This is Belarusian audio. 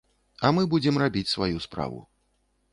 А мы будзем рабіць сваю справу.